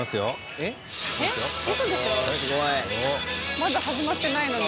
まだ始まってないのに。